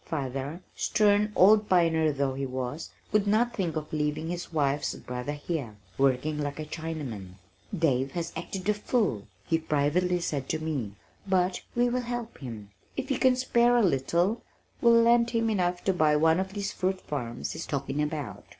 Father, stern old pioneer though he was, could not think of leaving his wife's brother here, working like a Chinaman. "Dave has acted the fool," he privately said to me, "but we will help him. If you can spare a little, we'll lend him enough to buy one of these fruit farms he's talking about."